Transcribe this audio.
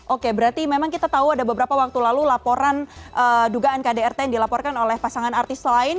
oke berarti memang kita tahu ada beberapa waktu lalu laporan dugaan kdrt yang dilaporkan oleh pasangan artis lain